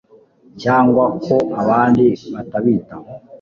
cyangwa ko abandi batabitaho